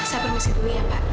saya permisi dulu ya pak